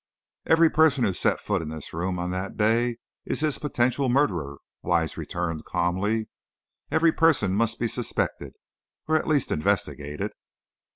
"Every person who set foot in this room on that day is his potential murderer," Wise returned, calmly. "Every person must be suspected, or, at least, investigated."